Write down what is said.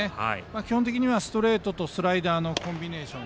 基本的にはストレートとスライダーのコンビネーション。